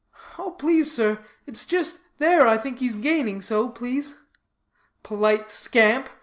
'Oh, please sir, it's just there I think he's gaining so, please.' Polite scamp!